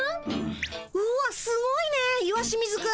うわっすごいね石清水くん。